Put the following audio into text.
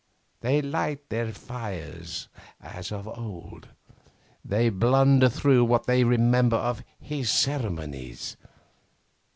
They light their fires as of old. They blunder through what they remember of his ceremonies.